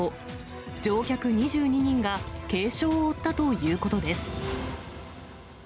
乗客２２人が軽傷を負ったということです。